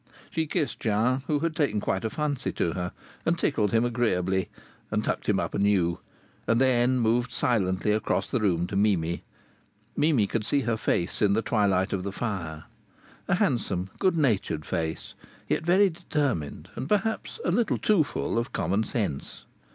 She kissed Jean, who had taken quite a fancy to her, and tickled him agreeably, and tucked him up anew, and then moved silently across the room to Mimi. Mimi could see her face in the twilight of the fire. A handsome, good natured face; yet very determined, and perhaps a little too full of common sense.